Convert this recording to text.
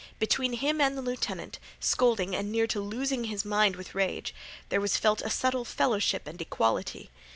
Between him and the lieutenant, scolding and near to losing his mind with rage, there was felt a subtle fellowship and equality.